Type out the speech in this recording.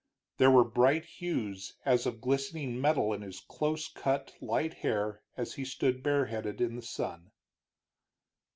There were bright hues as of glistening metal in his close cut light hair as he stood bareheaded in the sun.